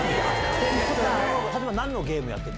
例えばなんのゲームやってて？